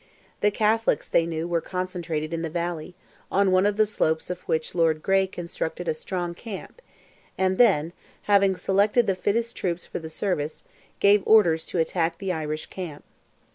The Catholics, they knew, were concentrated in the valley, on one of the slopes of which Lord Grey constructed a strong camp, and then, having selected the fittest troops for the service, gave orders to attack the Irish camp.